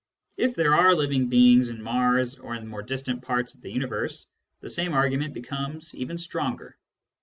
If there are living beings in Mars or in more distant parts of the universe, the same argument becomes even stronger.